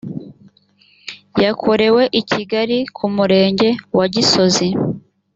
yakorewe i kigali ku murenge wa gisozi